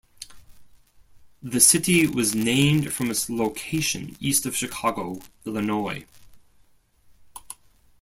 The city was named from its location east of Chicago, Illinois.